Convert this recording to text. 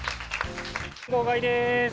号外です。